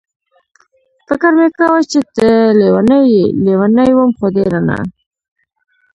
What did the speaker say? فکر مې کاوه چې ته لېونۍ یې، لېونۍ وم خو ډېره نه.